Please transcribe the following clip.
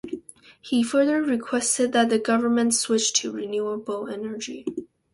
He further requested that the government switch to renewable energy.